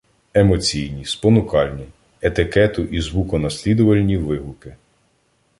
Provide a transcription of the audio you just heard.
Емоційні, спонукальні, етикету і звуконаслідувальні вигуки